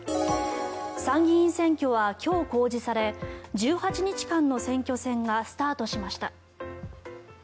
参議院選挙は今日公示され１８日間の選挙戦がスタートしました。